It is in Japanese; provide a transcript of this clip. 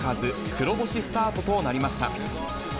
黒星スタートとなりました。